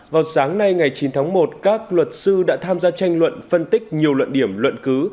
vào sáng nay ngày chín tháng một các luật sư đã tham gia tranh luận phân tích nhiều luận điểm luận cứ